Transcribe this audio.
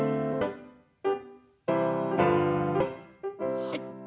はい。